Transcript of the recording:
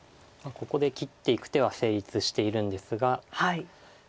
ここで切っていく手は成立しているんですが。